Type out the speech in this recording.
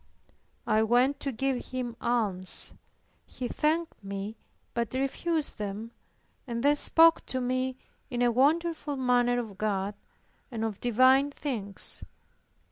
I went to give him alms; he thanked me but refused them and then spoke to me in a wonderful manner of God and of divine things.